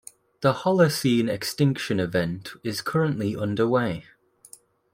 The Holocene extinction event is currently under way.